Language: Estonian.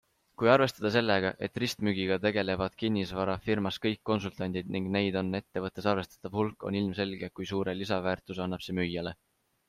Kui arvestada sellega, et ristmüügiga tegelevad kinnisvara firmas kõik konsultandid ning neid on ettevõttes arvestatav hulk, on ilmselge kui suure lisaväärtuse annab see müüjale.